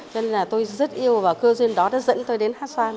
cho nên là tôi rất yêu và cơ duyên đó nó dẫn tôi đến hát xoan